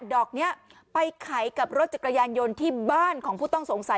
ดอกนี้ไปไขกับรถจักรยานยนต์ที่บ้านของผู้ต้องสงสัย